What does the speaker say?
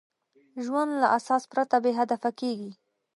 ژوند له اساس پرته بېهدفه کېږي.